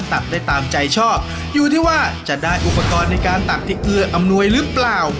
ตักได้ตามใจชอบอยู่ที่ว่าจะได้อุปกรณ์ในการตักที่เอื้ออำนวยหรือเปล่า